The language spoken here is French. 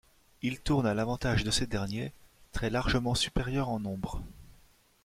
Il tourne à l'avantage de ces derniers, très largement supérieurs en nombre.